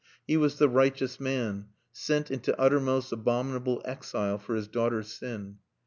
He was the righteous man, sent into uttermost abominable exile for his daughter's sin.